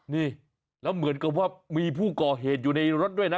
นี่แล้วเหมือนกับว่ามีผู้ก่อเหตุอยู่ในรถด้วยนะ